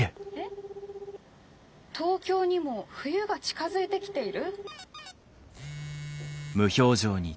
東京にも冬が近づいてきている？」。